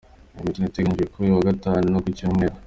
Imikino iteganyijwe kuri uyu wa Gatanu no ku Cyumweru:.